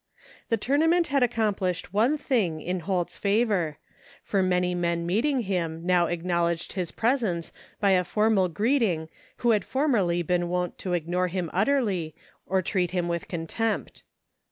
The tournament had accomplished one thing in Holt's favor, for many men meeting him now acknowl edged his presence by a formal greeting who had formerly been wont to ignore him utterly or treat him with contempt.